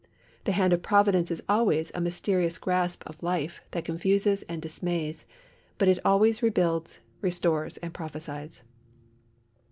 The hand of Providence is always a mysterious grasp of life that confuses and dismays, but it always rebuilds, restores, and prophesies.